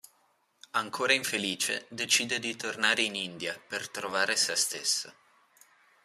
Ancora infelice, decide di tornare in India per trovare sé stesso.